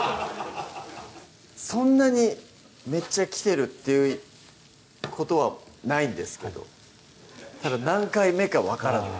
そんなにめっちゃ来てるっていうことはないんですけどただ何回目か分からない